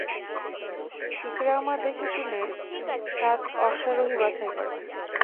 ইকরামা দেখে শুনে সাত অশ্বারোহী বাছাই করে।